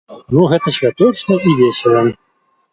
Ну гэта святочна і весела.